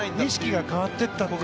意識が変わっていった。